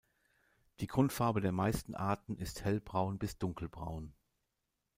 Die Grundfarbe der meisten Arten ist hellbraun bis dunkelbraun.